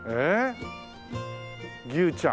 牛ちゃん。